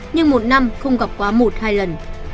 nhưng một năm không gặp quá một hai lần